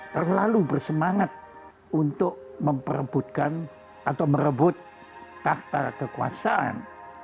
saya merasa bahwa saya terlalu bersemangat untuk merebut tahta kekuasaan